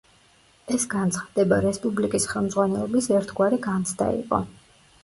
ეს განცხადება რესპუბლიკის ხელმძღვანელობის ერთგვარი განცდა იყო.